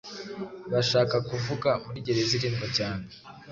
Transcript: bashaka kuvuga muri gereza irindwa cyane